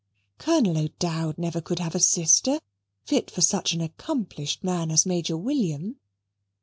"Colonel O'Dowd never could have a sister fit for such an accomplished man as Major William."